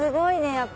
やっぱ。